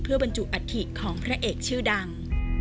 เพื่อบรรจุอัตภิกษ์ของพระเอกชื่อดัง